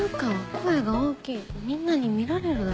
声が大きいみんなに見られる。